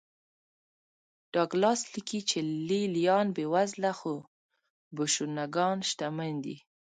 ډاګلاس لیکي چې لې لیان بېوزله خو بوشونګان شتمن دي